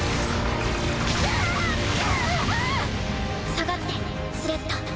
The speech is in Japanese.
下がってスレッタ。